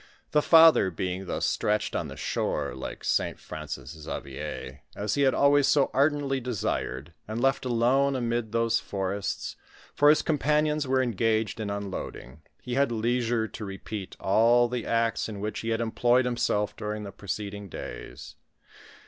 The father being thus stretched on the shore, like St. Francis Xavier, as he had always so ardently desired, and left alone amid those forests — for his companions were engaged in unloading — he had leisure to repeat all the acts in which he had employed himself during the preceding days.